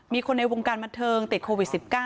มีคนในวงการบันเทิงติดโควิด๑๙